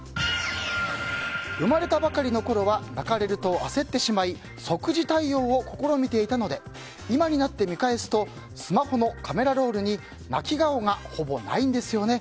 生まれたばかりのころは泣かれると焦ってしまい即時対応を試みていたので今になって見返すとスマホのカメラロールに泣き顔がほぼないんですよね。